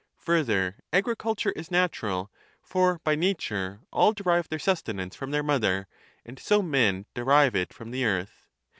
Further, agriculture is natural ; for by nature i343 b all derive their sustenance from their mother, and so men derive it from the earth.